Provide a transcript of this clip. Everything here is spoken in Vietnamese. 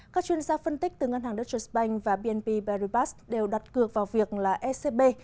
các chuyên gia phân tích từ ngân hàng deutsche bank và bnp baribas đều đặt cược vào việc ecb